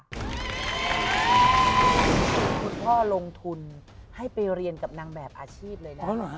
คุณพ่อลงทุนให้ไปเรียนกับนางแบบอาชีพเลยนะคะ